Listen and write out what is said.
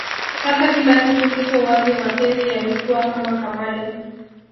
Sasa kila kitu kipo wazi mapenzi yamekuwa kama kamali